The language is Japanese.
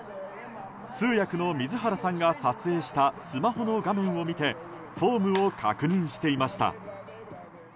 通訳の水原さんが撮影したスマホの画面を見てフォームを確認していました。